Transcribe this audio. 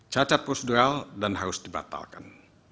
cacat prosedural dan harus dibatalkan